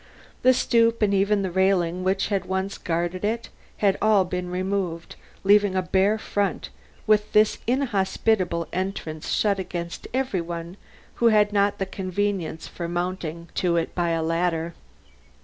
The stoop and even the railing which had once guarded it, had all been removed, leaving a bare front, with this inhospitable entrance shut against every one who had not the convenience for mounting to it by a ladder.